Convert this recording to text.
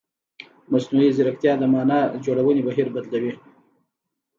مصنوعي ځیرکتیا د معنا جوړونې بهیر بدلوي.